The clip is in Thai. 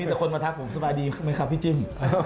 แต่คนมาทักผมสบายดีไหมครับพี่จิ้ม